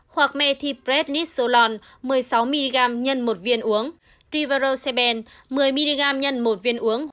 hoặc methyprednisolone một mươi sáu mg x một viên uống trivaroseben một mươi mg x một viên uống